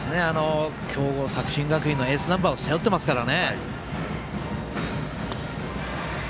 強豪、作新学院のエースナンバー背負ってますから。